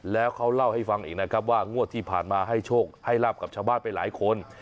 แล้วเขาเล่าให้ฟังอีกนะครับว่างวดที่ผ่านมาให้โชคให้ลาบกับชาวบ้านไปหลายคน